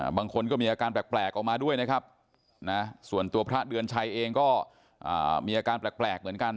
บางคนก็มีอาการแปลกออกมาด้วยนะครับส่วนตัวพระเดือนชัยเองก็มีอาการแปลกเหมือนกัน